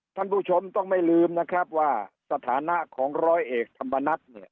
ท่านผู้ชมต้องไม่ลืมนะครับว่าสถานะของร้อยเอกธรรมนัฐเนี่ย